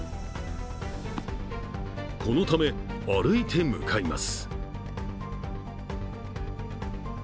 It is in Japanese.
このため、歩いて向かいます。